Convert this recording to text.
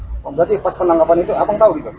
oh berarti pas penangkapan itu abang tahu gitu